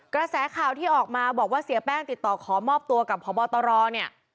กระแสข่าวที่ออกมาบอกว่าเสียแป้งติดต่อขอมอบตัวกับพบตรเนี่ย